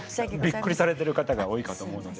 びっくりされてる方が多いかと思うので。